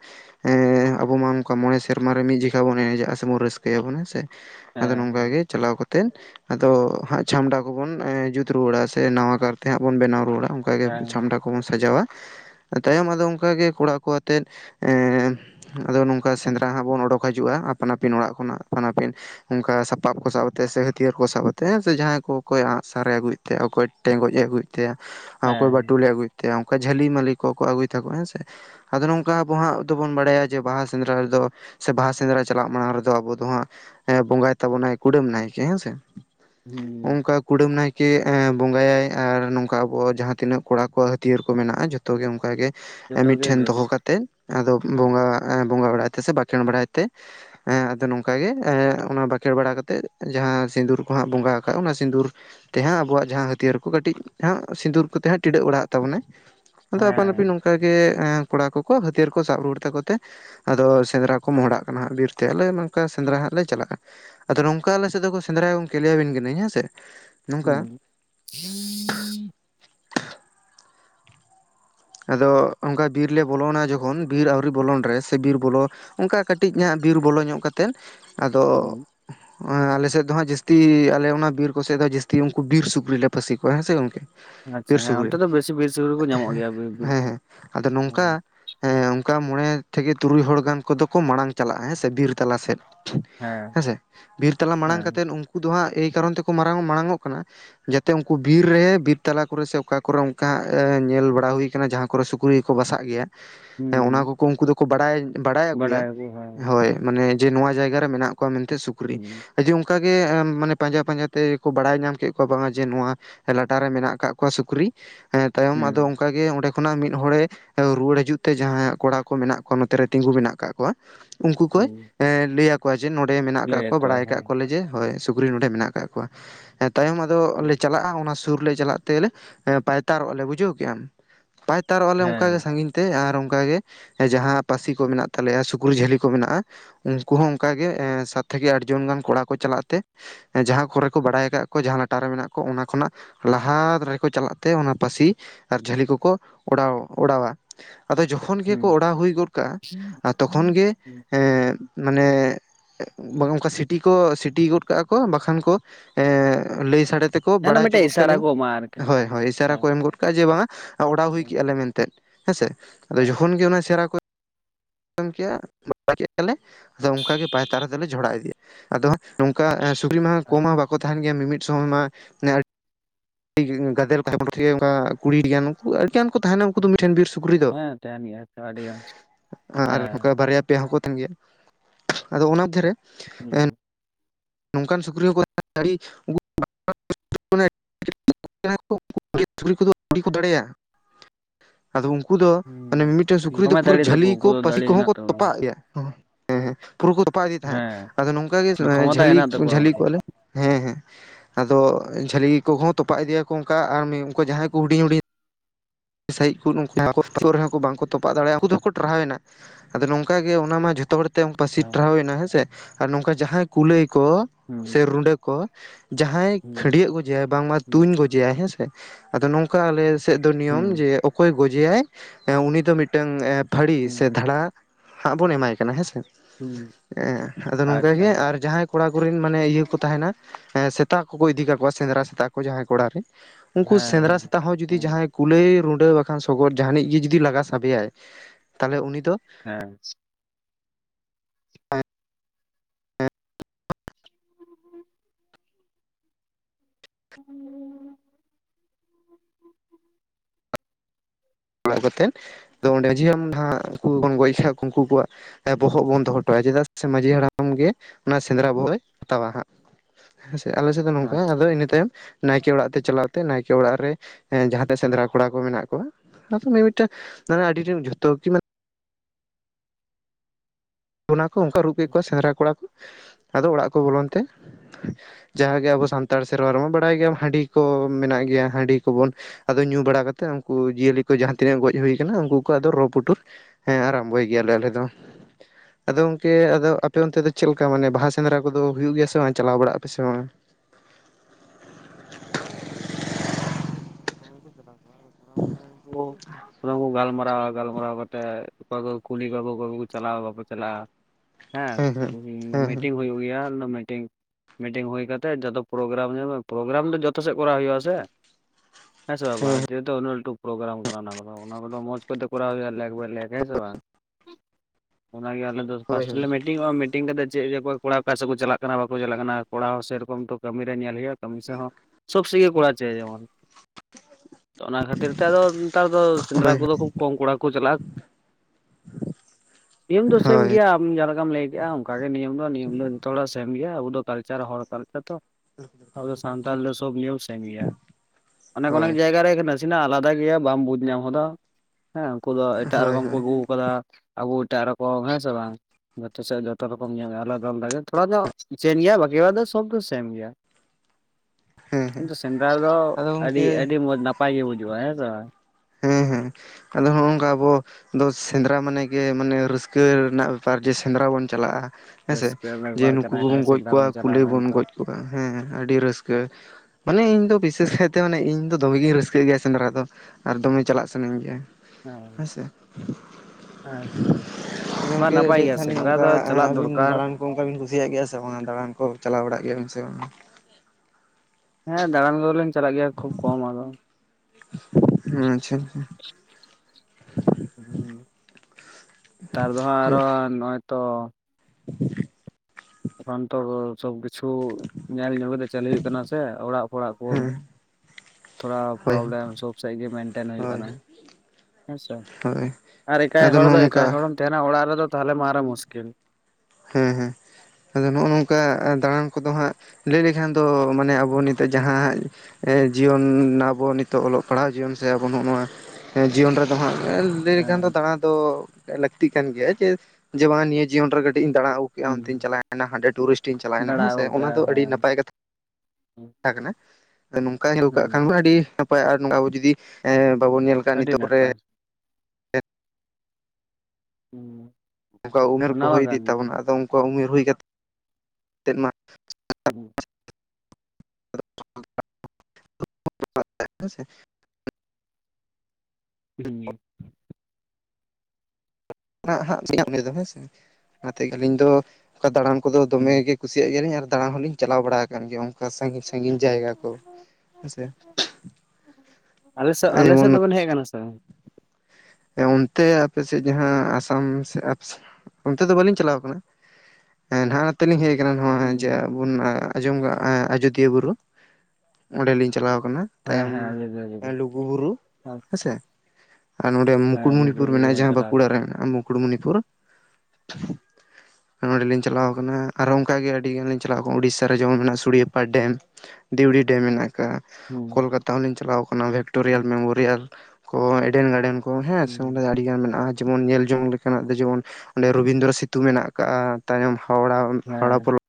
ᱟᱵᱚ ᱢᱟ ᱱᱚᱝᱠᱟ ᱢᱚᱬᱮ ᱥᱮᱨᱢᱟ ᱨᱮ ᱢᱤᱫ ᱡᱮᱠᱷᱟ ᱵᱚᱱ ᱮᱱᱮᱡᱟᱜᱼᱟ ᱥᱮ ᱵᱚᱱ ᱨᱟᱹᱥ ᱠᱟᱹ ᱵᱚᱱ ᱦᱮᱸ ᱥᱮ, ᱟᱫᱚ ᱱᱚᱝᱠᱟ ᱦᱮᱸ ᱦᱮᱸ ᱜᱮ ᱪᱟᱞᱟᱣ ᱠᱟᱛᱮᱫ ᱟᱫᱚ ᱦᱟᱸᱜ ᱪᱷᱟᱢᱰᱟ ᱠᱚᱵᱚᱱ ᱡᱩᱛ ᱨᱩᱣᱟᱹᱲᱟ ᱥᱮ, ᱱᱟᱣᱟ ᱠᱟᱨ ᱛᱮ ᱦᱟᱸᱜ ᱵᱚᱱ ᱵᱮᱱᱟᱣ ᱨᱩᱣᱟᱹᱲᱟ ᱚᱱᱠᱟ ᱜᱮ ᱦᱮᱸ ᱪᱷᱟᱢᱰᱟ ᱠᱚᱵᱚᱱ ᱥᱟᱡᱟᱣᱟ, ᱛᱟᱭᱚᱢ ᱟᱫᱚ ᱚᱱᱠ ᱜᱮ ᱠᱚᱲᱟ ᱠᱚ ᱟᱛᱮᱜ ᱟᱫᱚ ᱱᱚᱝᱠᱟ ᱥᱮᱸᱫᱽᱨᱟ ᱦᱟᱸᱜ ᱵᱚᱱ ᱚᱰᱳᱠ ᱦᱤᱡᱩᱜᱼᱟ, ᱟᱯᱟᱱ ᱟᱹᱯᱤᱱ ᱚᱲᱟᱜ ᱠᱷᱚᱱᱟᱜ ᱟᱯᱟᱱ ᱟᱹᱯᱤᱱ ᱚᱱᱠᱟ ᱥᱟᱯᱟᱵ ᱠᱚ ᱥᱟᱵ ᱛᱮ ᱥᱮ, ᱦᱟᱹᱛᱭᱟᱹᱨ ᱠᱚ ᱥᱟᱵ ᱠᱟᱛᱮ ᱥᱮ ᱡᱟᱦᱟᱸᱭ ᱠᱚ ᱚᱠᱚᱭ ᱟᱸᱜᱥᱟᱨᱮ ᱟᱹᱜᱩᱭᱮᱫ ᱛᱮ ᱚᱠᱚᱭ ᱴᱮᱸᱜᱚᱡ ᱮ ᱟᱹᱜᱩᱭᱮᱫ ᱛᱮ ᱟᱨ ᱚᱠᱚᱭ ᱦᱮᱸ ᱵᱟᱹᱴᱩᱞᱮ ᱟᱹᱜᱩᱭᱮᱫ ᱚᱱᱠᱟ ᱡᱷᱟᱹᱞᱤ ᱢᱟᱹᱞᱤ ᱠᱚᱠᱚ ᱠᱚ ᱟᱹᱜᱩᱭ ᱛᱟᱠᱚᱣᱟ ᱦᱮᱸ ᱥᱮ ᱾ ᱟᱫᱚ ᱱᱚᱝᱠᱟ ᱟᱵᱚ ᱦᱟᱸᱜ ᱫᱚ ᱵᱚᱱ ᱵᱟᱲᱟᱭᱟ, ᱡᱮ ᱵᱟᱦᱟ ᱥᱮᱸᱫᱽᱨᱟ ᱨᱮᱫᱚ ᱥᱮ ᱵᱟᱦᱟ ᱥᱮᱸᱫᱽᱨᱟ ᱪᱟᱞᱟᱜ ᱢᱟᱲᱟᱝ ᱨᱮ ᱫᱚ ᱟᱵᱚ ᱫᱚ ᱦᱟᱸᱜ ᱵᱚᱸᱜᱟᱭ ᱛᱟᱵᱚᱱᱟᱭ ᱠᱩᱰᱟᱹᱢ ᱱᱟᱭᱠᱮ ᱦᱮᱸᱥᱮ ᱦᱩᱸ ᱚᱱᱠᱟ ᱠᱩᱰᱟᱹᱢ ᱱᱟᱭᱠᱮ ᱵᱚᱸᱜᱟ ᱟᱭ ᱟᱨ ᱱᱚᱝᱠᱟ ᱟᱵᱚ ᱡᱟᱦᱟᱸ ᱛᱤᱱᱟᱹᱜ ᱠᱚᱲᱟ ᱠᱚᱣᱟᱜ ᱦᱟᱹᱛᱭᱟᱹᱨ ᱠᱚ ᱢᱮᱱᱟᱜᱼᱟ, ᱡᱚᱛᱚ ᱜᱮ ᱚᱱᱠᱟ ᱜᱮ ᱡᱚᱛᱚ ᱢᱤᱫ ᱜᱮ ᱴᱷᱮᱱ ᱰᱷᱮᱨ ᱫᱚᱦᱚ ᱠᱟᱛᱮᱫ, ᱟᱫᱚ ᱵᱚᱸᱜᱟ ᱵᱟᱲᱟᱭ ᱛᱮ ᱥᱮ ᱵᱟᱠᱷᱮᱲ ᱵᱟᱲᱟᱭ ᱛᱮ ᱟᱫᱚ ᱱᱚᱝᱠᱟ ᱜᱮ, ᱮᱻ ᱚᱱᱟ ᱵᱟᱸᱠᱷᱮᱲ ᱵᱟᱲᱟ ᱠᱟᱛᱮᱜ ᱡᱟᱦᱟᱸ ᱥᱤᱸᱫᱩᱨ ᱠᱚ ᱦᱟᱸᱜ ᱵᱚᱸᱜᱟ ᱟᱠᱟᱜ ᱚᱱᱟ ᱥᱤᱸᱫᱩᱨ ᱛᱮ ᱦᱟᱸᱜ ᱟᱵᱚᱣᱟᱜ ᱡᱟᱦᱟᱸ ᱦᱟᱹᱛᱭᱟᱹᱨ ᱠᱚ ᱠᱟᱹᱴᱤᱡ ᱦᱟᱸᱜ ᱥᱤᱸᱩᱨ ᱠᱚᱛᱮ ᱦᱟᱸᱜ ᱴᱤᱰᱟᱹᱜ ᱵᱟᱲᱟᱜ ᱛᱟᱵᱚᱱᱟᱭ, ᱟᱫᱚ ᱟᱯᱟᱱ ᱟᱹᱯᱤᱱ ᱦᱮᱸ ᱱᱚᱝᱠᱟ - ᱚᱱᱠᱟ ᱜᱮ ᱠᱚᱲᱟ ᱠᱚᱠᱚ ᱦᱟᱹᱛᱭᱟᱹᱨ ᱠᱚ ᱥᱟᱵ ᱨᱩᱭᱟᱹᱲ ᱛᱟᱠᱚ ᱛᱮ, ᱟᱫᱚ ᱥᱮᱸᱫᱽᱨᱟ ᱠᱚ ᱢᱚᱦᱚᱲᱟᱜ ᱠᱟᱱᱟ ᱵᱤᱨ ᱛᱮ ᱟᱞᱮ ᱱᱚᱝᱠᱟ ᱥᱮᱸᱫᱽᱨᱟ ᱦᱟᱸᱜ ᱞᱮ ᱪᱟᱞᱟᱜᱼᱟ᱾ ᱟᱫᱚ ᱱᱚᱝᱠᱟ ᱟᱞᱮ ᱥᱮᱫ ᱫᱚ ᱥᱮᱸᱫᱽᱨᱟ ᱜᱚᱝᱠᱮ ᱞᱟᱹᱭ ᱟᱵᱤᱱ ᱠᱟᱹᱱᱟᱹᱧ ᱦᱮᱸ ᱥᱮ ᱾ [unintelligible] ᱟᱫᱚ ᱚᱱᱠᱟ ᱵᱤᱨ ᱞᱮ ᱵᱚᱞᱚᱱᱟ ᱡᱚᱠᱷᱚᱱ ᱵᱤᱨ ᱟᱹᱣᱨᱤ ᱵᱚᱞᱚᱱ ᱨᱮ ᱥᱮ ᱵᱤᱨ ᱵᱚᱞᱚ ᱚᱱᱠᱟ ᱠᱟᱹᱴᱤᱡ ᱧᱜ ᱵᱤᱨ ᱵᱚᱞᱚ ᱧᱚᱜ ᱠᱟᱛᱮᱫ ᱟᱫᱚ ᱦᱩᱸ ᱮᱸᱻ ᱟᱞᱮ ᱥᱮᱫ ᱫᱚ ᱦᱟᱸᱜ ᱡᱟᱹᱥᱛᱤ ᱟᱞᱮ ᱚᱱᱟ ᱵᱤᱨ ᱠᱚᱥᱮᱫ ᱫᱚ ᱡᱟᱹᱥᱛᱤ ᱩᱱᱠᱩ ᱵᱤᱨ ᱥᱩᱠᱨᱤ ᱞᱮ ᱯᱟᱹᱥᱤ ᱠᱚᱣᱟ ᱦᱮᱸ ᱥᱮ ᱜᱚᱝᱠᱮ ᱾ ᱟᱪᱪᱷᱟ, ᱦᱮᱸ ᱚᱱᱛᱮ ᱫᱚ ᱵᱮᱥᱤ ᱵᱤᱨ ᱥᱩᱠᱨᱤ ᱠᱚ ᱧᱟᱢᱚᱜ ᱜᱮᱭᱟ ᱵᱤᱨ ᱵᱤᱨ ᱦᱮᱸ ᱦᱮᱸ ᱟᱫᱚ ᱦᱮᱸ ᱱᱚᱝᱠᱟ ᱦᱮᱸ ᱚᱱᱠᱟ ᱢᱚᱬᱮ ᱛᱷᱮᱠᱮ ᱛᱩᱨᱩᱭ ᱦᱚᱲ ᱜᱟᱱ ᱠᱚᱫᱚ ᱠᱚ ᱢᱟᱲᱟᱝ ᱪᱟᱞᱟᱜᱼᱟ ᱦᱮᱸ ᱥᱮ ᱵᱤᱨ ᱛᱟᱞᱟ ᱥᱮᱫ᱾ ᱦᱮᱸ ᱦᱮᱸᱥᱮ ᱵᱤᱨ ᱛᱟᱞᱟ ᱢᱟᱲᱟᱝ ᱦᱮᱸ ᱠᱟᱛᱮᱫ ᱩᱱᱠᱩ ᱫᱚ ᱦᱟᱸᱜ ᱮᱭ ᱠᱟᱨᱚᱱ ᱛᱮᱠᱚ ᱢᱟᱨᱟᱝ ᱢᱟᱲᱟᱝ ᱚᱜ ᱠᱟᱱᱟ ᱡᱟᱛᱮ ᱩᱱᱠᱩ ᱵᱤᱨ ᱨᱮ ᱵᱤᱨ ᱛᱟᱞᱟ ᱠᱚᱨᱮ ᱥᱮ ᱚᱠᱟ ᱠᱚᱨᱮ ᱚᱱᱠᱟ ᱦᱟᱸᱜ ᱧᱮᱞ ᱵᱟᱲᱟ ᱦᱩᱭ ᱠᱟᱱᱟ ᱡᱟᱦᱟᱸ ᱠᱚᱨᱮ ᱥᱩᱠᱨᱤ ᱠᱚ ᱵᱟᱥᱟᱜ ᱜᱮᱭᱟ ᱾ ᱦᱩᱸ ᱦᱩᱸ ᱚᱱᱟ ᱠᱚᱠᱚ ᱩᱱᱠᱩ ᱫᱚᱠᱚ ᱵᱟᱲᱟᱭ ᱵᱟᱲᱟᱭ ᱟᱜᱩᱭᱟ ᱵᱟᱰᱟᱭᱟᱠᱚ ᱦᱮᱸ ᱦᱚᱭ ᱦᱮᱸ ᱢᱟᱱᱮ ᱡᱮ ᱱᱚᱣᱟ ᱡᱟᱭᱜᱟ ᱨᱮ ᱢᱮᱱᱟᱜ ᱠᱚᱣᱟ ᱢᱮᱱᱛᱮ ᱥᱩᱠᱨᱤ᱾ ᱦᱩᱸ ᱡᱮ ᱚᱱᱠᱟ ᱜᱮ ᱢᱟᱱᱮ ᱯᱟᱸᱡᱟ ᱯᱟᱸᱡᱟ ᱛᱮ ᱠᱚ ᱵᱟᱲᱟᱭ ᱧᱟᱢ ᱠᱮᱫ ᱠᱚᱣᱟ ᱵᱟᱝᱟ ᱡᱮ ᱱᱚᱣᱟ ᱞᱟᱴᱟ ᱨᱮ ᱢᱮᱱᱟᱜ ᱟᱠᱟᱜ ᱠᱚᱣᱟ ᱥᱩᱠᱨᱤ ᱾ ᱤᱱᱟᱹ ᱛᱟᱭᱚᱢ ᱟᱫᱚ ᱦᱩᱸ ᱚᱱᱠᱟᱜᱮᱸ ᱚᱸᱰᱮ ᱠᱷᱚᱱᱟᱜ ᱢᱤᱫ ᱦᱚᱲᱮ ᱨᱩᱣᱟᱹᱲ ᱦᱤᱡᱩᱜ ᱛᱮ ᱡᱟᱦᱟᱸ ᱠᱚᱲᱟ ᱠᱚ ᱢᱮᱱᱟᱜ ᱠᱚᱣᱟ ᱱᱚᱛᱮᱨᱮ ᱛᱤᱸᱜᱩ ᱢᱮᱱᱟᱜ ᱠᱟᱜ ᱠᱚᱣᱟ ᱩᱱᱠᱩ ᱠᱚᱭ ᱦᱩᱸ ᱮᱸ ᱞᱟᱹᱭ ᱟᱚᱣᱟ ᱡᱮ ᱱᱚᱸᱰᱮ ᱢᱮᱱᱟᱜ ᱟᱠᱟᱫ ᱞᱟᱹᱭ ᱠᱚᱣᱟ, ᱟᱠᱚᱣᱟᱭ ᱵᱟᱲᱟᱭ ᱟᱠᱟᱫ ᱦᱮᱸ ᱠᱚᱣᱟ ᱞᱮ ᱡᱮ ᱦᱚᱭ ᱾ ᱥᱩᱠᱨᱤ ᱱᱚᱰᱮ ᱢᱮᱱᱟᱜ ᱟᱠᱟᱫ ᱠᱚᱣᱟ᱾ ᱛᱟᱭᱚᱢ ᱟᱫᱚ ᱞᱮ ᱪᱟᱞᱟᱜ ᱚᱱᱟ ᱥᱩᱨ ᱞᱮ ᱪᱟᱞᱟᱜ ᱛᱮᱞᱮ ᱯᱟᱭᱛᱟᱨᱚᱜ-ᱟ ᱞᱮ ᱾ ᱵᱩᱡᱷᱟᱹᱣ ᱠᱮᱫ ᱟᱢ? ᱯᱟᱭᱛᱟᱨᱚᱜᱼᱟ ᱞᱮ ᱚᱱᱠᱟ ᱦᱮᱸ ᱜᱮ ᱥᱟᱺᱜᱤᱧ ᱛᱮ ᱟᱨ ᱚᱱᱠᱟᱜᱮ ᱡᱟᱦᱟᱸ ᱯᱟᱹᱥᱤ ᱠᱚ ᱢᱮᱱᱟᱜ ᱛᱟᱞᱮᱭᱟ ᱥᱩᱠᱨᱤ ᱡᱷᱟᱹᱞᱤ ᱠᱚ ᱢᱮᱱᱟᱜᱼᱟ ᱩᱱᱠᱩ ᱦᱚᱸ ᱚᱱᱠᱟᱜᱮ ᱥᱟᱛ-ᱛᱷᱮᱠᱮ ᱟᱴ ᱡᱚᱱ ᱜᱟᱱ ᱠᱚᱲᱟ ᱠᱚ ᱪᱟᱞᱟᱜ ᱛᱮ ᱡᱟᱦᱟᱸ ᱠᱷᱚᱨᱮ ᱠᱚ ᱵᱟᱲᱟᱭ ᱟᱠᱟᱫ ᱠᱚ ᱡᱟᱦᱟᱸ ᱞᱟᱴᱟᱨ ᱨᱮ ᱢᱮᱱᱟᱜ ᱠᱚ ᱚᱱᱟ ᱠᱷᱚᱱᱟᱜ ᱞᱟᱦᱟ ᱫᱷᱟᱨᱮ ᱠᱚ ᱪᱟᱞᱟᱜ ᱛᱮ ᱚᱱᱟ ᱯᱟᱹᱥᱤ ᱟᱨ ᱡᱷᱟᱹᱞᱤ ᱠᱚᱠᱚ ᱚᱰᱟᱣ ᱚᱰᱟᱣᱟ ᱾ ᱟᱫᱚ ᱡᱚᱠᱷᱚᱱ ᱜᱮᱠᱚ ᱦᱩᱸ ᱚᱰᱟᱣ ᱦᱩᱭ ᱜᱚᱫ ᱠᱟᱜᱼᱟ ᱛᱚᱠᱷᱚᱱ ᱜᱮ ᱢᱟᱱᱮ ᱵᱟᱝ ᱚᱱᱠᱟ ᱥᱤᱴᱤ ᱠᱚ ᱥᱤᱴᱤ ᱜᱚᱫ ᱠᱟᱜᱼᱟ ᱠᱚ ᱵᱟᱠᱷᱟᱱ ᱠᱚ ᱞᱟᱹᱭ ᱥᱟᱰᱮ ᱛᱮᱠᱚ ᱠᱚ ᱡᱟᱦᱟᱱᱟᱜ ᱵᱟᱲᱟᱭ ᱦᱚᱪᱚ ᱢᱤᱫᱴᱮᱡ ᱜᱚᱫ ᱠᱟᱞᱮᱭᱟ ᱤᱥᱟᱨᱟ ᱠᱚ ᱮᱢᱟᱜᱼᱟ ᱟᱨᱠᱤ ᱾ ᱦᱚᱭ ᱦᱚᱭ ᱮᱥᱟᱨᱟ ᱠᱚ ᱦᱮᱸ ᱠᱚ ᱮᱢ ᱜᱚᱫ ᱠᱟᱜᱼᱟ ᱡᱮ ᱵᱟᱝ ᱚᱰᱟᱣ ᱦᱩᱭ ᱠᱮᱜᱼᱟ ᱞᱮ ᱢᱮᱱᱛᱮ ᱦᱮᱸ ᱥᱮ ᱟᱫᱚ ᱦᱮᱸ ᱡᱚᱠᱷᱚᱱ ᱜᱮ ᱚᱱᱟ ᱤᱥᱟᱨᱟ ᱠᱚ ᱠᱮᱜᱼᱟ ᱵᱟᱰᱟᱭ ᱠᱮᱫ ᱜᱮᱞᱮ, ᱟᱫᱚ ᱚᱱᱠ ᱜᱮ ᱯᱟᱭᱛᱟᱨᱟ ᱛᱮᱞᱮ ᱡᱷᱚᱲᱟᱣ ᱤᱫᱤᱭᱟ ᱾ ᱟᱫᱚ ᱦᱟᱸᱜ ᱱᱚᱝᱠᱟ ᱥᱩᱠᱨᱤ ᱢᱟ ᱠᱚᱢ ᱦᱚᱸ ᱵᱟᱠᱚ ᱛᱟᱦᱮᱱ ᱜᱮᱭᱟ ᱢᱤᱢᱤᱫ ᱥᱚᱢᱚᱭ ᱢᱟ ᱜᱟᱫᱮᱞ ᱠᱚ ᱛᱟᱦᱮᱸ [unintelligible] ᱜᱮ ᱚᱱᱠᱟ ᱠᱩᱲᱤ ᱴᱤ ᱜᱟᱱ ᱩᱱᱠᱩ ᱟᱹᱰᱤᱜᱟᱱ ᱠᱚ ᱛᱟᱦᱮᱱᱟ ᱠᱩ ᱫᱚ ᱢᱤᱫᱴᱮᱱ ᱵᱤᱨ ᱥᱩᱠᱨᱤ ᱫᱚ ᱦᱮᱸ ᱛᱟᱦᱮᱱ ᱜᱮᱭᱟ ᱛᱚ ᱟᱹᱰᱤ ᱜᱟᱱ ᱟᱨ ᱚᱱᱠᱟ ᱦᱮᱸ ᱵᱟᱨᱭᱟ ᱯᱮᱭᱟ ᱦᱚᱸᱠᱚ ᱛᱟᱦᱮᱱ ᱜᱮᱭᱟ ᱟᱫᱚ ᱚᱱᱟ ᱢᱚᱫᱽᱫᱷᱮ ᱨᱮ ᱦᱩᱸ ᱱᱚᱝᱠᱟᱱ ᱥᱩᱠᱨᱤ ᱦᱚᱸᱠᱚ [unintelligible] [unintelligible] ᱠᱚᱫᱚ ᱟᱰᱤ ᱠᱚ ᱫᱟᱲᱮᱭ, ᱟᱫᱚ ᱩᱱᱠᱩ ᱫᱚ ᱢᱟᱱᱮ ᱦᱩᱸ ᱢᱤᱫᱴᱮᱱ ᱥᱩᱠᱨᱤ ᱫᱚ ᱫᱚᱢᱮ ᱯᱩᱨᱟᱹ ᱫᱟᱲᱮ ᱛᱟᱠᱚ ᱡᱷᱟᱹᱞᱤ ᱩᱱᱠᱩ ᱠᱚ ᱫᱚ ᱯᱟᱹᱥᱤ ᱫᱟᱲᱮ ᱠᱚᱦᱚᱸ ᱦᱮᱱᱟᱜ ᱠᱚ ᱛᱟᱠᱚ ᱛᱚᱯᱟᱜ ᱮᱭᱟ ᱦᱮᱸ ᱦᱮᱸ ᱾ ᱯᱩᱨᱟᱹ ᱠᱚ ᱛᱚᱯᱟᱜ ᱤᱫᱤ ᱛᱟᱦᱮᱸᱫ ᱦᱮᱸ ᱟᱫᱚ ᱱᱚᱝᱠ ᱜᱮ ᱠᱷᱚᱢᱚᱛᱟ ᱡᱷᱟᱹᱞᱤ ᱦᱮᱱᱟᱜ ᱛᱟᱠᱚᱣᱟ ᱡᱷᱟᱹᱞᱤ ᱠᱚᱣᱟ ᱩᱱᱠᱩᱣᱟᱜ ᱦᱮᱸ ᱦᱮᱸ ᱟᱫᱚ ᱡᱷᱟᱹᱞᱤ ᱜᱮ ᱠᱚᱦᱚᱸ ᱛᱚᱯᱟ ᱤᱫᱤᱭᱟᱠᱚ ᱚᱱᱠᱟ ᱟᱨ ᱡᱟᱦᱟᱸᱭ ᱠᱚ ᱦᱩᱰᱤᱧ ᱦᱩᱰᱤᱧ ᱥᱟᱹᱦᱤᱡ ᱠᱚ [unintelligible] ᱨᱮᱦᱚᱸ ᱵᱟᱝᱱᱠᱚ ᱛᱚᱯᱟᱜ ᱫᱟᱲᱮᱭᱟᱜᱼᱟ, ᱩᱱᱠᱩ ᱫᱚᱠᱚ ᱴᱟᱨᱦᱟᱣ ᱮᱱᱟ ᱾ ᱟᱫᱚ ᱱᱚᱝᱠᱟ ᱜᱮ ᱚᱱᱟ ᱢᱟ ᱡᱷᱚᱛᱚ ᱦᱚᱲ ᱛᱮᱢ ᱯᱟᱥᱤ ᱴᱟᱨᱦᱟᱣ ᱮᱱᱟ ᱦᱮᱸᱥᱮ, ᱟᱨ ᱱᱚᱝᱠᱟ ᱡᱟᱦᱟᱸᱭ ᱠᱩᱞᱟᱹᱭ ᱠᱚ ᱥᱮ ᱦᱩᱸ ᱨᱩᱸᱰᱟᱹ ᱠᱚ ᱡᱟᱦᱟᱸᱭ ᱦᱩᱸ ᱠᱷᱟᱹᱰᱭᱟᱹᱜ ᱜᱚᱡᱮᱭᱟ ᱵᱟᱝᱢᱟ ᱛᱩᱧ ᱜᱚᱡᱮᱭᱟᱭ ᱦᱮᱸᱥᱮ ᱟᱫᱚ ᱱᱚᱝᱠᱟ ᱟᱞᱮ ᱥᱮᱫ ᱫᱚ ᱱᱤᱭᱚᱢ ᱦᱩᱸ ᱡᱮ ᱚᱠᱚᱭ ᱜᱚᱡᱮᱟᱭ ᱩᱱᱤ ᱫᱚ ᱢᱤᱫᱴᱟᱝ ᱯᱷᱟᱹᱲᱤ ᱦᱩᱸ ᱥᱮ ᱫᱷᱟᱲᱟ ᱦᱟᱸᱜ ᱵᱚᱱ ᱮᱢᱟᱭ ᱠᱟᱱᱟ ᱦᱮᱸᱥᱮ ᱦᱩᱸ ᱟᱫᱚ ᱱᱚᱝᱠ ᱟᱪᱪᱷᱟ ᱜᱮ ᱟᱨ ᱡᱟᱦᱟᱸᱭ ᱠᱚ ᱠᱚᱲᱟ ᱠᱚᱨᱮᱱ ᱢᱟᱱᱮ ᱤᱭᱟᱹ ᱠᱚ ᱛᱟᱦᱮᱱᱟ, ᱥᱮᱛᱟ ᱠᱚᱠᱚ ᱤᱫᱤ ᱠᱟᱜ ᱠᱚᱣᱟ ᱥᱮᱸᱫᱽᱨᱟ ᱥᱮᱛᱟ ᱠᱚ ᱡᱟᱦᱟᱸᱭ ᱠᱚᱲᱟ ᱨᱮᱱ ᱦᱮᱸ ᱩᱱᱠᱩ ᱥᱮᱸᱫᱽᱨᱟ ᱦᱮᱸ ᱥᱮᱛᱟ ᱦᱚᱸ ᱡᱩᱫᱤ ᱦᱮᱸ ᱡᱟᱦᱟᱸᱭ ᱠᱩᱞᱟᱹᱭ, ᱨᱩᱸᱰᱟᱹ ᱵᱟᱠᱷᱟᱱ ᱥᱚᱜᱚᱨ ᱡᱟᱦᱟᱱᱤᱡ ᱜᱮ ᱡᱩᱫᱤ ᱞᱟᱜᱟ ᱥᱟᱵᱮᱭᱟᱭ ᱛᱟᱦᱚᱞᱮ ᱩᱱᱤ ᱫᱚ ᱦᱮᱸ [inaudible] [inaudible] ᱵᱟᱲᱟᱜ ᱠᱟᱛᱮᱫ ᱟᱫᱚ ᱚᱸᱰᱮ ᱡᱤᱟᱭᱢ ᱱᱟᱦᱟᱜ ᱩᱱᱠᱩ ᱵᱚᱱ ᱜᱚᱡ ᱠᱷᱟᱫ ᱩᱱᱠᱩ ᱠᱚᱣᱟᱜ, ᱵᱚᱦᱚᱜ ᱵᱚᱱ ᱫᱚᱦᱚ ᱦᱚᱴᱚᱭᱟ ᱪᱮᱫᱟᱜ ᱥᱮ ᱢᱟᱺᱡᱷᱤ ᱦᱟᱲᱟᱢ ᱜᱮ ᱚᱱᱟ ᱥᱮᱸᱫᱽᱨᱟ ᱵᱚᱦᱚᱜ ᱮ ᱦᱟᱛᱟᱣᱟ ᱦᱟᱸᱜ᱾ ᱦᱮᱸ ᱥᱮ ᱟᱞᱮ ᱥᱮᱜ ᱫᱚ ᱱᱚᱝᱠᱟ ᱟᱪᱪᱷᱟ ᱟᱫᱚ ᱤᱱᱟᱹ ᱛᱟᱭᱚᱢ, ᱱᱟᱭᱠᱮ ᱚᱲᱟᱜ ᱛᱮ ᱪᱟᱞᱟᱣ ᱛᱮ ᱱᱟᱭᱠᱮ ᱚᱲᱟᱜ ᱨᱮ ᱡᱟᱦᱟᱸᱛᱮ ᱥᱮᱸᱫᱽᱨᱟ ᱠᱚᱲᱟ ᱠᱚ ᱢᱮᱱᱟᱜ ᱠᱚᱣᱟ, ᱟᱫᱚ ᱢᱤ-ᱢᱤᱫᱴᱝ ᱢᱟᱱᱮ ᱟᱹᱰᱤ ᱴᱷᱮᱱ ᱡᱷᱚᱛᱚ ᱜᱮ ᱠᱤ ᱢᱟᱱᱮ, ᱚᱱᱟ ᱠᱚ ᱚᱱᱠᱟ ᱨᱩᱵ ᱠᱮᱫ ᱠᱚᱣᱟ ᱥᱮᱸᱫᱽᱨᱟ ᱠᱚᱲᱟ ᱠᱚ ᱟᱫᱚ ᱚᱲᱟᱜ ᱠᱚ ᱵᱚᱞᱚᱱ ᱛᱮ, ᱡᱟᱦᱟᱸ ᱜᱮ ᱟᱵᱚ ᱥᱟᱱᱛᱟᱲ ᱥᱮᱨᱣᱟ ᱨᱮᱢᱟ ᱵᱟᱰᱟᱭ ᱜᱮᱭᱟᱢ ᱦᱟᱺᱰᱤ ᱠᱚ ᱢᱮᱱᱟᱜ ᱜᱮᱭᱟ ᱦᱟᱺᱰᱤ ᱠᱚᱵᱚᱱ, ᱟᱫᱚ ᱧᱩ ᱵᱟᱲᱟ ᱠᱟᱛᱮᱜ ᱩᱱᱠᱩ ᱡᱤᱭᱟᱹᱞᱤ ᱠᱚ ᱡᱟᱦᱟᱸᱛᱤᱱᱟᱹᱜ ᱜᱚᱭᱡ ᱦᱩᱭ ᱟᱠᱟᱱᱟ ᱩᱱᱠᱩ ᱠᱚᱫᱚ ᱨᱚᱼ ᱯᱩᱴᱩᱨ ᱦᱮᱸ ᱟᱨᱟᱢᱵᱷᱚᱭ ᱜᱮᱭᱟᱞᱮ ᱟᱞᱮ ᱫᱚ᱾ ᱟᱫᱚ ᱜᱚᱝᱠᱮ ᱟᱫᱚ ᱟᱯᱮ ᱚᱱᱛᱮ ᱫᱚ ᱪᱮᱫ ᱞᱮᱠᱟ ᱢᱟᱱᱮ ᱵᱟᱦᱟ ᱥᱮᱸᱫᱽᱨᱟ ᱠᱚᱫᱚ ᱦᱩᱭᱩᱜ ᱜᱮᱭᱟ ᱥᱮ ᱵᱟᱝ ᱪᱟᱞᱟᱣ ᱵᱟᱲᱟᱜ ᱟ ᱯᱮ ᱥᱮ ᱵᱟᱝ, ᱚᱱᱟᱠᱚᱫᱚ [unintelligible] ᱤᱱ ᱠᱚ ᱜᱟᱞᱢᱟᱨᱟᱣᱟ ᱜᱟᱞᱢᱟᱨᱟᱣ ᱠᱟᱛᱮᱫ ᱚᱠᱚᱭ ᱠᱚ ᱠᱩᱞᱤ ᱠᱚᱠᱚ ᱚᱠᱚᱭ ᱠᱚ ᱪᱟᱞᱟᱜᱼᱟ ᱵᱟᱠᱚ ᱪᱟᱞᱟᱜᱼᱟ᱾ ᱦᱮᱸ ᱢᱤᱴᱤᱝ ᱦᱩᱭᱩᱜ ᱜᱮᱭᱟ ᱢᱤᱴᱤᱝ, ᱢᱤᱴᱤᱝ ᱦᱩᱭ ᱠᱟᱛᱮᱫ ᱡᱚᱛᱚ ᱯᱨᱳᱜᱨᱟᱢ ᱦᱳᱭᱳ ᱯᱨᱳᱜᱨᱟᱢ ᱫᱚ ᱡᱚᱛᱚ ᱥᱮᱫ ᱠᱚᱨᱟᱣ ᱦᱩᱭᱩᱜ ᱟᱥᱮ᱾ ᱦᱮᱸ ᱥᱮ ᱵᱟ ᱵᱷᱟᱨᱚᱛᱤᱭᱚ ᱩᱱᱟᱹᱜ ᱞᱟᱹᱴᱩ ᱯᱨᱳᱜᱨᱟᱢ ᱠᱟᱱᱟ ᱚᱱᱟ ᱠᱚᱫᱚ ᱚᱱᱟ ᱠᱚᱫᱚ ᱢᱟᱡᱽ ᱠᱚᱛᱮ ᱠᱚᱨᱟᱣ ᱦᱩᱭᱩᱜᱼᱟ ᱦᱮᱸ ᱥᱮ ᱵᱟᱝ ᱚᱱᱟᱜ ᱟᱞᱮ ᱫᱚ ᱦᱳᱭ ᱦᱳᱭ [unintelligible] ᱢᱤᱴᱤᱝ ᱚᱜᱼᱟ ᱢᱤᱴᱤᱝ ᱠᱟ ᱠᱟᱛᱮᱫ ᱪᱮᱫᱠᱚ ᱠᱚᱲᱟ ᱚᱠᱟ ᱥᱮᱫ ᱠᱚ ᱪᱟᱞᱟᱜ ᱠᱟᱱᱟ ᱵᱟᱠᱚ ᱪᱟᱞᱟᱜ ᱠᱟᱱᱟ ᱠᱚᱲᱟ ᱦᱚᱸ ᱥᱮᱨᱚᱠᱚᱢ ᱛᱚ ᱠᱟᱹᱢᱤ ᱨᱮ ᱧᱮᱞ ᱦᱩᱭᱩᱜᱼᱟ, ᱠᱟᱹᱢᱤ ᱥᱮ ᱦᱚᱸ ᱥᱚᱵ ᱥᱮ ᱜᱮ ᱠᱚᱲᱟ ᱪᱟᱭ ᱡᱮᱢᱚᱱ, ᱚᱱᱟ ᱠᱷᱟᱹᱛᱤᱨ ᱛᱮ ᱟᱫᱚ ᱱᱮᱛᱟᱨ ᱫᱚ ᱥᱮᱸᱫᱽᱨᱟ ᱦᱳᱭ ᱠᱚᱫᱚ ᱠᱷᱩᱵ ᱠᱚᱢ ᱠᱚᱲᱟ ᱠᱚ ᱪᱟᱞᱟᱜᱼᱟ᱾ [inaudible] ᱱᱤᱭᱚᱢ ᱫᱚ ᱥᱮᱢ ᱦᱳᱭ ᱦᱳᱭ ᱜᱮᱭᱟ, ᱡᱮ ᱞᱮᱠᱟᱢ ᱞᱟᱹᱭ ᱠᱮᱫᱮᱜᱼᱟ ᱚᱱᱠᱟᱜ ᱜᱮ ᱱᱤᱭᱚᱢ ᱫᱚ ᱱᱤᱭᱚᱢ ᱫᱚ ᱡᱚᱛᱚ ᱦᱚᱲᱟᱜ ᱥᱮᱢ ᱜᱮᱭᱟ ᱟᱵᱚ ᱫᱚ ᱠᱟᱞᱪᱟᱨ ᱦᱚᱲ ᱠᱟᱞᱪᱟᱨ ᱛᱚ᱾ ᱟᱵᱚ ᱫᱚ ᱥᱟᱱᱛᱟᱞ ᱫᱚ ᱥᱚᱵ ᱱᱤᱭᱩᱡᱽ ᱥᱮᱢ ᱜᱮᱭᱟ ᱚᱱᱮᱠ ᱚᱱᱮᱠ ᱦᱳᱭ ᱡᱟᱭᱜᱟ ᱨᱮ ᱜᱮ, ᱪᱤᱱᱟᱜ ᱟᱞᱟᱫᱟ ᱜᱮᱭᱟ ᱵᱟᱢ ᱵᱩᱡᱽ ᱧᱟᱢ ᱦᱚᱫᱟ ᱦᱮᱸ ᱩᱱᱠᱩ ᱫᱚ ᱮᱴᱟᱜ ᱦᱳᱭ ᱦᱳᱭ ᱨᱚᱠᱚᱢ ᱠᱚ, ᱦᱳᱭ ᱠᱳᱫᱟ ᱟᱵᱩ ᱮᱴᱟᱜ ᱨᱚᱠᱚᱢ ᱦᱮᱸ ᱥᱮ ᱵᱟᱝ᱾ ᱡᱚᱛᱚ ᱥᱮᱫ ᱡᱚᱛᱚ ᱨᱚᱠᱚᱢ ᱧᱟᱢᱼᱟ ᱟᱞᱟᱫᱟ ᱟᱞᱟᱫᱟ ᱜᱮ ᱛᱷᱚᱲᱥ ᱧᱚᱜ ᱪᱮᱢ ᱜᱮᱭᱟ ᱵᱟᱹᱠᱤ ᱵᱟ ᱫᱚ ᱥᱚᱵ ᱫᱚ ᱥᱮᱢ ᱜᱮᱭᱟ᱾ ᱠᱤᱱᱛᱩ ᱥᱮᱸᱫᱽᱨᱟ ᱫᱚ ᱟᱫᱚ ᱟᱹᱰᱤ ᱜᱚᱝᱠᱮ ᱟᱹᱰᱤ ᱢᱚᱸᱡᱽ ᱱᱟᱯᱟᱭ ᱜᱮ ᱵᱩᱡᱩᱜᱼᱟ ᱦᱮᱸ ᱥᱮ ᱵᱟᱝ᱾ ᱦᱮᱸ ᱦᱮᱸ ᱟᱫᱚ ᱦᱚᱝᱠᱟ ᱟᱵᱚ, ᱫᱚ ᱥᱮᱸᱫᱽᱨᱟ ᱢᱟᱱᱮ ᱜᱮ ᱢᱟᱱᱮ ᱨᱟᱹᱥᱠᱟᱹ ᱨᱮᱱᱟᱜ ᱵᱮᱯᱟᱨ ᱡᱮ ᱥᱮᱸᱫᱽᱨᱟ ᱵᱚᱱ ᱪᱟᱞᱟᱜᱼᱟ᱾ ᱦᱮᱸᱥᱮ ᱨᱟᱹᱥᱠᱟᱹ ᱡᱮ ᱵᱮᱯᱟᱨ ᱱᱩᱠᱩ ᱠᱟᱱᱟ ᱠᱚᱵᱚᱱ ᱦᱮᱸ ᱜᱚᱭᱡ ᱥᱮᱸᱫᱽᱨᱟ ᱠᱚᱣᱟ ᱵᱚᱱ ᱪᱟᱞᱟᱜᱼᱟ ᱠᱩᱞᱟᱹᱭ ᱵᱚᱱ ᱢᱮᱱᱛᱮ ᱜᱚᱭᱡ ᱠᱚᱣᱟ ᱦᱮᱸ ᱦᱮᱸ ᱟᱹᱰᱤ ᱨᱟᱹᱥᱠᱟᱹ᱾ ᱢᱟᱱᱮ ᱤᱧ ᱫᱚ ᱵᱤᱥᱮᱥ ᱠᱟᱭᱛᱮ ᱢᱟᱱᱮ ᱤᱧ ᱫᱚ ᱫᱚᱢᱮᱜᱤᱧ ᱨᱟᱹᱥᱠᱟᱹᱜ ᱜᱮᱭᱟ ᱥᱮᱸᱫᱽᱨᱟ ᱫᱚ᱾ ᱟᱨ ᱫᱚᱢᱮ ᱪᱟᱞᱟᱜ ᱥᱟᱱᱟᱧ ᱜᱮᱭᱟ᱾ ᱦᱮᱸᱻᱦᱮᱸ ᱦᱮᱸᱥᱮ ᱢᱟ ᱜᱚᱝᱠᱮ ᱱᱟᱯᱟᱭ ᱞᱟᱹᱭᱮᱫ ᱜᱮᱭᱟ ᱛᱟᱦᱮᱱᱤᱧ ᱥᱮᱸᱫᱽᱨᱟ ᱚᱱᱠᱟ ᱫᱚ ᱪᱟᱞᱟᱜ ᱟᱹᱵᱤᱱ ᱫᱚᱨᱠᱟᱨ, ᱫᱟᱬᱟᱱ ᱚᱱᱠᱟ ᱵᱤᱱ ᱠᱩᱥᱤᱭᱟᱜ ᱜᱮᱭᱟ ᱥᱮ ᱵᱟᱝ ᱫᱟᱲᱟᱱ ᱠᱚ ᱪᱟᱞᱟᱣ ᱵᱟᱲᱟᱜ ᱜᱮᱭᱟ ᱵᱮᱱ ᱥᱮ ᱵᱟᱝ᱾ ᱦᱮᱸ ᱫᱟᱲᱟᱱ ᱠᱚᱫᱚ ᱞᱤᱧ ᱪᱟᱞᱟᱜ ᱜᱮᱭᱟ ᱠᱷᱩᱵ ᱠᱚᱢ ᱟᱫᱚ᱾ ᱦᱩᱸ ᱟᱪᱪᱷᱟᱼᱪᱷᱟ᱾ ᱱᱮᱛᱟᱨ ᱫᱚ ᱦᱟᱸᱜ ᱟᱨᱚ ᱱᱚᱜᱼᱚᱭ ᱛᱚ, [inaudible] ᱮᱠᱷᱚᱱ ᱛᱚ ᱥᱚᱵ ᱠᱤᱪᱷᱩ ᱧᱮᱞᱻ ᱧᱮᱞ ᱠᱟᱛᱮ ᱪᱟᱹᱩ ᱦᱩᱭᱩᱜ ᱠᱟᱱᱟ ᱥᱮ ᱚᱲᱟᱜ ᱯᱚᱲᱟᱜ ᱠᱚ᱾ ᱦᱮᱸ ᱛᱷᱚᱲᱟ ᱦᱳᱭ ᱯᱨᱚᱵᱞᱮᱢ ᱥᱚᱵ ᱥᱮᱡ ᱜᱮ ᱢᱮᱱᱴᱮᱱ ᱦᱩᱭᱩᱜ ᱦᱳᱭ ᱠᱟᱱᱟ᱾ ᱦᱮᱸᱥᱮ ᱦᱳᱭ ᱟᱨ ᱮᱠᱟᱭ ᱟᱫᱚ ᱦᱚᱲ ᱱᱚᱜᱼᱚ ᱫᱚ ᱱᱚᱝᱠᱟ ᱮᱠᱟᱭ ᱦᱚᱲᱮᱢ ᱛᱟᱦᱮᱱᱟ ᱚᱲᱟᱜ ᱨᱮᱫᱚ ᱛᱟᱦᱚᱞᱮ ᱢᱟ ᱟᱨᱦᱚᱸ ᱢᱩᱥᱠᱤᱞ, ᱦᱮᱸ ᱦᱮᱸ ᱟᱫᱚ ᱱᱚᱜᱼᱚ ᱱᱚᱝᱠᱟ, ᱚᱱᱠᱟ ᱫᱟᱲᱟᱱ ᱠᱚᱫᱚ ᱦᱟᱸᱜ ᱞᱟᱹᱭ ᱞᱮᱠᱷᱟᱱ ᱫᱚ ᱢᱟᱱᱮ ᱟᱵᱚ ᱱᱤᱛᱚᱜ ᱡᱟᱦᱟᱸ ᱡᱤᱭᱚᱱ ᱟᱵᱚ ᱱᱤᱛᱚᱜ ᱚᱞᱚᱜ ᱯᱟᱲᱦᱟᱣ ᱡᱤᱭᱚᱱ ᱥᱮ ᱟᱵᱚ ᱱᱚᱜᱼ ᱱᱚᱣᱟ ᱡᱤᱭᱚᱱ ᱨᱮᱫᱚ ᱦᱟᱸᱜ, ᱞᱟᱹᱭ ᱞᱮᱠᱷᱟᱱ ᱦᱮᱸ ᱫᱚ ᱫᱟᱲᱟ ᱫᱚ ᱞᱟᱹᱠᱛᱤ ᱠᱟᱱ ᱜᱮᱭᱟ ᱡᱮ ᱵᱟᱝ ᱱᱤᱭᱟᱹ ᱡᱤᱭᱚᱱ ᱨᱮ ᱠᱟᱹᱴᱤᱡ ᱤᱧ ᱫᱟᱲᱟ, ᱠᱮᱭᱟ, ᱦᱩᱸ ᱚᱱᱛᱮᱧ ᱪᱟᱞᱟᱣᱮᱱᱟ ᱦᱟᱸᱰᱮ ᱴᱩᱨᱤᱥᱴ ᱤᱧ ᱪᱟᱞᱟᱣᱱᱟ ᱫᱟᱬᱟ ᱦᱮᱸ ᱟᱹᱜᱩ ᱥᱮ ᱚᱱᱟ ᱠᱮᱜᱼᱟ ᱫᱚ ᱟᱹᱰᱤ ᱦᱮᱸ ᱱᱟᱯᱟᱭ ᱠᱟᱛᱷᱟ ᱠᱟᱛᱷᱟ ᱠᱟᱱᱟ ᱱᱚᱝᱠᱟ ᱧᱮᱞ ᱠᱟᱜ ᱠᱷᱟᱱ ᱫᱚ ᱦᱩᱸ ᱟᱹᱰᱤ ᱱᱟᱯᱟᱭ ᱟᱨ ᱱᱟᱝᱠᱟ ᱟᱵᱚ ᱡᱩᱫᱤ ᱮ ᱵᱟᱵᱚᱱ ᱧᱮᱞ, ᱠᱟᱜᱼᱟ ᱟᱹᱰᱤ ᱱᱤᱛᱚᱜ ᱨᱮ ᱱᱟᱯᱟ ᱦᱩᱸ ᱚᱱᱠᱟ ᱩᱢᱮᱨ ᱠᱚ ᱚᱱᱟ ᱢᱟ ᱦᱩᱭ ᱠᱟᱱ ᱤᱫᱤᱜ ᱜᱮ ᱛᱟᱵᱚᱱᱟ ᱟᱫᱚ ᱩᱱᱠᱟ ᱩᱢᱮᱨ ᱦᱩᱭ ᱠᱟᱛ ᱛᱮᱫ ᱢᱟ ᱦᱩᱸ [inaudible] ᱦᱮᱸ ᱥᱮ ᱦᱩᱸ ᱦᱟᱸᱜ ᱦᱟᱸᱜ [inaudible] ᱩᱢᱮᱨ ᱫᱚ ᱦᱚᱭᱥᱮ ᱚᱱᱟᱛᱮᱜᱮ ᱟᱹᱞᱤᱧ ᱫᱚ ᱚᱱᱠᱟ ᱫᱟᱬᱟᱱ ᱠᱚᱫᱚ ᱫᱚᱢᱮ ᱦᱩᱸ ᱜᱮ ᱠᱩᱤᱭᱟᱜ ᱜᱮᱭᱟᱞᱤᱧ ᱟᱨ ᱫᱟᱬᱟᱱ ᱦᱚᱸᱞᱤᱧ ᱪᱟᱞᱟᱣ ᱵᱟᱲᱟ ᱟᱠᱟᱱ ᱜᱮᱭᱟ ᱚᱱᱠᱟ ᱥᱟᱺᱜᱤᱧ ᱥᱟᱺᱜᱤᱧ ᱡᱟᱭᱜᱟ ᱠᱚ ᱦᱮᱸ ᱥᱮ ᱟᱞᱮᱥᱮᱫ ᱟᱞᱮ ᱥᱮᱫ ᱫᱚᱵᱮᱱ ᱦᱮᱡ ᱟᱠᱟᱱᱟ ᱥᱮ ᱵᱟᱝ ᱮ ᱚᱱᱛᱮ ᱟᱯᱮᱥᱮᱫ ᱡᱟᱦᱟᱸ ᱟᱥᱟᱢ ᱥᱮᱟᱯ ᱚᱱᱛᱮ ᱫᱚ ᱵᱟᱹᱞᱤᱧ ᱪᱟᱞᱟᱣ ᱟᱠᱟᱱᱟ ᱮ ᱱᱟᱜᱟ ᱱᱟᱛᱮ ᱞᱤᱧ ᱦᱮᱡ ᱠᱟᱱᱟ ᱱᱚᱭ-ᱚᱭ ᱦᱩᱸ ᱡᱮ ᱵᱩᱱ ᱟ ᱟᱸᱡᱚᱢ ᱠᱟᱜ ᱟᱡᱚᱫᱤᱭᱟᱹ ᱵᱩᱨᱩ ᱚᱸᱰᱮᱞᱤᱧ ᱪᱟᱞᱟᱣ ᱠᱟᱱᱟ ᱦᱮᱸ ᱛᱟᱭᱚᱢ ᱦᱮᱸ ᱟᱡᱚᱫᱤᱭᱟᱹ ᱵᱩᱨᱩ ᱞᱩᱜᱩᱵᱩᱨᱩ ᱟᱪᱪᱷᱟ ᱦᱮᱸᱥᱮ ᱟᱨ ᱚᱸᱰᱮ ᱦᱮᱸ ᱟᱡᱚᱫᱤᱭᱟᱹ ᱢᱩᱠᱩᱴᱢᱩᱱᱤᱯᱩᱨ ᱵᱩᱨᱩ ᱢᱮᱱᱟᱜᱼᱟ ᱦᱚᱸ ᱡᱟᱦᱟᱸ ᱪᱟᱞᱟᱣ ᱵᱟᱸᱠᱩᱲᱟ ᱨᱮ ᱢᱮᱱᱟᱜᱼᱟ ᱢᱩᱠᱩᱴᱢᱩᱱᱤᱯᱩᱨ ᱱᱚᱸᱰᱮᱞᱤᱧ ᱪᱟᱞᱟᱣ ᱠᱟᱱᱟ ᱟᱨᱦᱚ ᱚᱱᱠᱟ ᱜᱮ ᱟᱹᱰᱤ ᱜᱟᱱ ᱞᱤᱧ ᱪᱟᱞᱟᱣ ᱠᱟᱱᱟ ᱩᱲᱤᱥᱥᱟ ᱨᱮ ᱡᱮᱢᱚᱱ ᱢᱮᱱᱟᱜᱼᱟ ᱥᱩᱲᱤᱭᱟᱹ ᱯᱟᱨ ᱰᱮᱢ ᱰᱤᱭᱩᱹᱲᱤ ᱰᱮᱢ ᱢᱮᱱᱟᱜ ᱠᱟᱜᱼᱟ ᱦᱩᱸ ᱠᱳᱞᱠᱟᱛᱟ ᱦᱚᱸᱞᱤᱧ ᱪᱟᱞᱟᱣ ᱠᱟᱱᱟ ᱵᱷᱮᱠᱴᱳᱨᱤᱭᱟᱞ ᱦᱩᱸ ᱢᱮᱢᱳᱨᱤᱭᱟᱞ ᱠᱚ ᱮᱰᱮᱱ ᱜᱟᱨᱰᱮᱱ ᱛᱚ ᱦᱮᱸ ᱦᱩᱸ ᱥᱮ ᱚᱰᱮ ᱟᱹᱰᱤ ᱜᱟᱱ ᱢᱮᱱᱟᱜᱼᱟ ᱡᱮᱢᱚᱱ ᱧᱮᱞ ᱡᱚᱝ ᱞᱮᱠᱟᱱᱟᱜ ᱫᱚ ᱡᱮᱢᱚᱱ ᱚᱸᱰᱮ ᱨᱚᱵᱤᱱᱫᱨᱚ ᱥᱤᱛᱩ ᱢᱮᱱᱟᱜ ᱠᱟᱜᱼᱟ ᱛᱟᱭᱚᱢ ᱦᱟᱣᱲᱟ ᱦᱟᱣᱲᱟ ᱦᱮᱸ ᱯᱳᱞ